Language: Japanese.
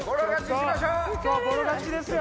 今日ボロ勝ちですよ。